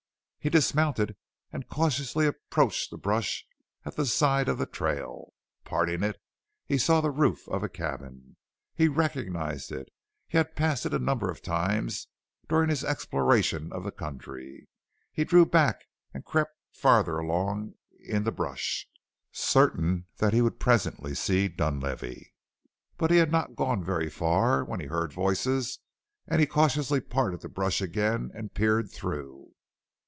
He dismounted and cautiously approached the brush at the side of the trail. Parting it, he saw the roof of a cabin. He recognized it; he had passed it a number of times during his exploration of the country. He drew back and crept crept farther along in the brush, certain that he would presently see Dunlavey. But he had not gone very far when he heard voices and he cautiously parted the brush again and peered through.